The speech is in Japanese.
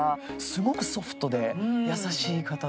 すごくソフトで優しい方で。